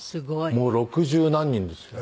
もう六十何人ですよ。